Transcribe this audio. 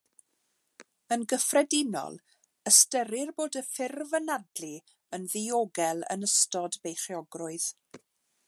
Yn gyffredinol, ystyrir bod y ffurf anadlu yn ddiogel yn ystod beichiogrwydd.